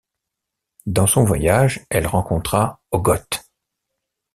Dans son voyage, elle rencontra Hoggoth.